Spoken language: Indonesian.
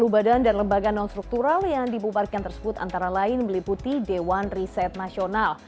sepuluh badan dan lembaga non struktural yang dibubarkan tersebut antara lain meliputi dewan riset nasional